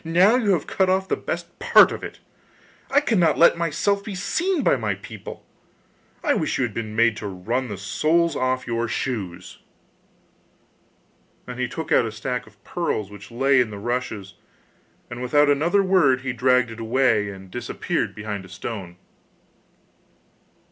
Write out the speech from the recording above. Now you have cut off the best part of it. I cannot let myself be seen by my people. I wish you had been made to run the soles off your shoes!' Then he took out a sack of pearls which lay in the rushes, and without another word he dragged it away and disappeared behind a stone.